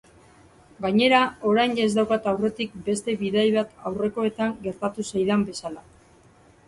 Gainera, orain ez daukat aurretik beste bidai bat aurrekoetan gertatu zaidan bezala.